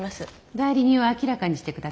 代理人は明らかにしてください。